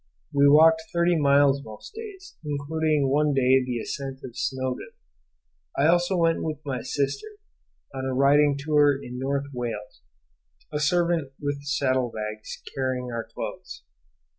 We walked thirty miles most days, including one day the ascent of Snowdon. I also went with my sister a riding tour in North Wales, a servant with saddle bags carrying our clothes.